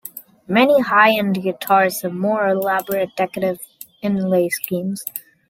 Many high-end guitars have more elaborate decorative inlay schemes.